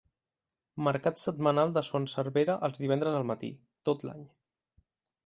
Mercat setmanal de Son Servera els divendres al matí, tot l'any.